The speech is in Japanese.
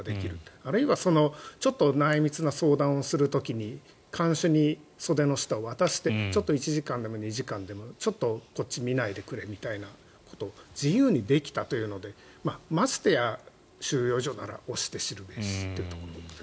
あるいはちょっと内密な相談をする時に看守に袖の下を渡して１時間でも２時間でもちょっとこっち見ないでくれということを自由にできたというのでましてや、収容所なら推して知るべしというところです。